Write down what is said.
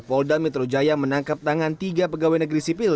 polda metro jaya menangkap tangan tiga pegawai negeri sipil